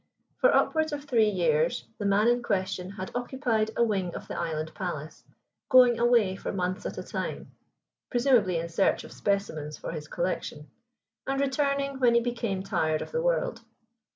For upwards of three years the man in question had occupied a wing of the island palace, going away for months at a time presumably in search of specimens for his collection, and returning when he became tired of the world.